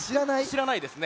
しらないですね。